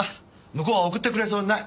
向こうは送ってくれそうにない。